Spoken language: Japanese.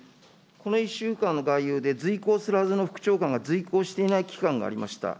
この１週間の外遊で、随行するはずの副長官が随行していない期間がありました。